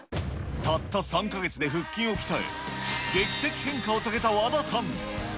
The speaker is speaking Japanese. たった３か月で腹筋を鍛え、劇的変化を遂げた和田さん。